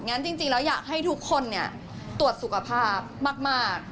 งั้นจริงแล้วอยากให้ทุกคนตรวจสุขภาพมาก